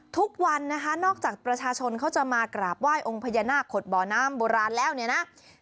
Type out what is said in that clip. ทุกวันนะคะนอกจากประชาชนเขาจะมากราบไหว้องค์พญานาคขดบ่อน้ำโบราณแล้วเนี่ยนะ